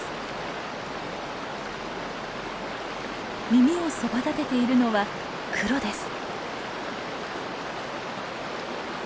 耳をそばだてているのはクロです。